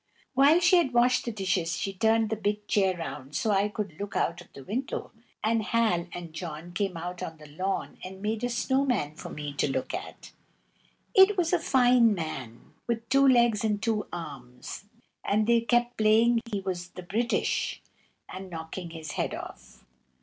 When she had washed the dishes, she turned the big chair round so that I could look out of the window, and Hal and John came out on the lawn and made a snow man for me to look at. It was a fine man, with two legs and two arms, and they kept playing he was the British, and knocking his head off.